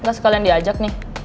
nggak sekalian diajak nih